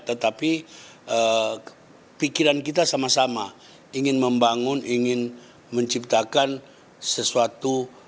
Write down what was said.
tetapi pikiran kita sama sama ingin membangun ingin menciptakan sesuatu